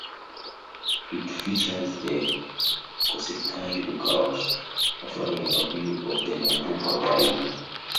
It features the Kosekai Lookout, offering a view of the Nambucca Valley.